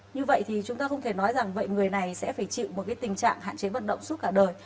như vậy thì chúng ta không thể nói rằng vậy người này sẽ phải chịu một cái tình trạng hạn chế vận động suốt cả đời